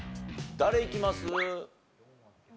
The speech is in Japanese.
誰いきます？